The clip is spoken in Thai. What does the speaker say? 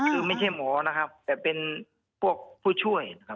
คือไม่ใช่หมอนะครับแต่เป็นพวกผู้ช่วยนะครับ